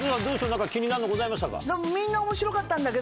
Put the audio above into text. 何か気になるものございましたか？